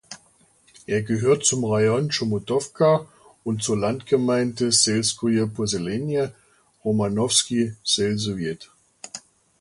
Er gehört zum Rajon Chomutowka und zur Landgemeinde "(selskoje posselenije) Romanowski selsowjet".